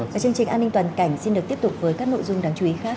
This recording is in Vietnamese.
và chương trình an ninh toàn cảnh xin được tiếp tục với các nội dung đáng chú ý khác